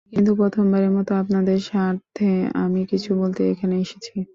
কিন্তু প্রথমবারের মতো, আপনাদের স্বার্থে আমি কিছু বলতে এখানে এসেছি।